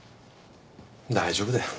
大丈夫だよ。